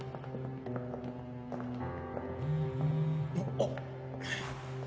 あっ。